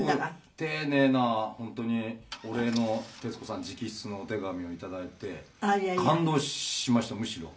丁寧な本当にお礼の徹子さん直筆のお手紙を頂いて感動しましたむしろ。